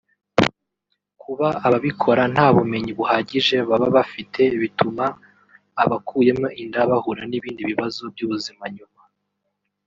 Kuba ababikora nta bumenyi buhagije baba bafite bituma abakuyemo inda bahura n’ibindi bibazo by’ubuzima nyuma